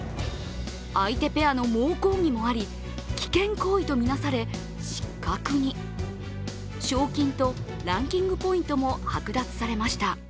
相手ペアの猛抗議もあり、危険行為とみなされ、失格に、賞金とランキングポイントも剥奪されました。